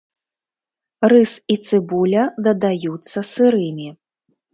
Рыс і цыбуля дадаюцца сырымі.